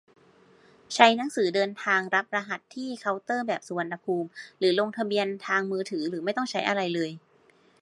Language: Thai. ใช้หนังสือเดินทางรับรหัสที่เคาน์เตอร์แบบสุวรรณภูมิ หรือลงทะเบียนทางมือถือ หรือไม่ต้องใช้อะไรเลย